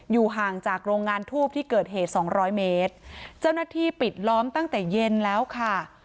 ห่างจากโรงงานทูบที่เกิดเหตุสองร้อยเมตรเจ้าหน้าที่ปิดล้อมตั้งแต่เย็นแล้วค่ะ